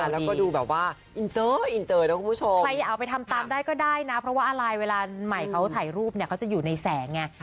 แล้วก็ดูแบบว่าอินเตอร์อินเตอร์นะคุณผู้ชมใครเอาไปทำตามได้ก็ได้นะเพราะว่าอะไรเวลาใหม่เขาถ่ายรูปเนี่ยเขาจะอยู่ในแสงไง